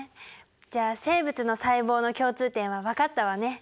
じゃあ生物の細胞の共通点は分かったわね。